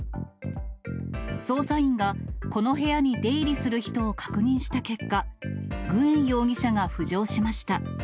捜査員がこの部屋に出入りする人を確認した結果、グエン容疑者が浮上しました。